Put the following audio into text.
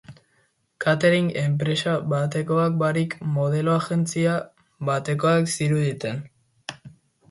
Catering-enpresa batekoak barik, modelo-agentzia batekoak ziruditen.